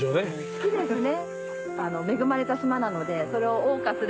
好きですね。